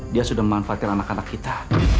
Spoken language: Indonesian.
dia sudah memanfaatkan anak anak kita